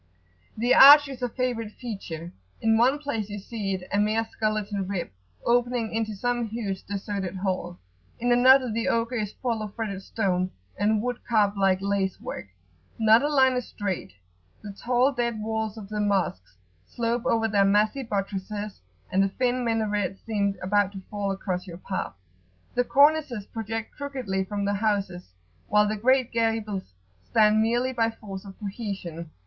The arch is a favourite feature: in one place you see it a mere skeleton rib opening into some huge deserted hall; in another the ogre is full of fretted stone and wood carved like lace work. Not a line is straight, the tall dead walls of the Mosques slope over their massy buttresses, and the thin minarets seem about to fall across your path. The cornices project crookedly from the houses, while the great gables stand merely by force of cohesion.